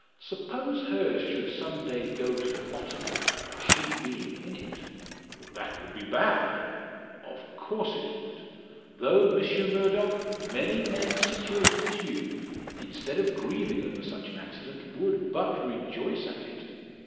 Suppose hers should some day go to the bottom she being in it?" "That would be bad." "Of course it would. Though, Monsieur Murdock, many men situated as you, instead of grieving over such an accident, would but rejoice at it."